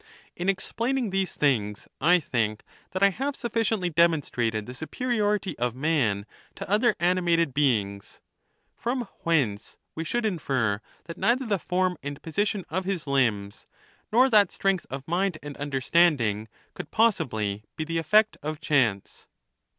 In explaining these things, I think that I have sufficiently demonstrated the superiority of man to other animated beings; from whence we should infer that neither the form and position of his limbs nor that strength of mind and understanding could possibly. .^g the effect of chance.